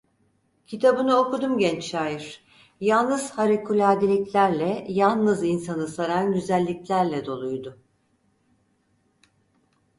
Kitabını okudum genç şair, yalnız harikuladeliklerle, yalnız insanı saran güzelliklerle doluydu.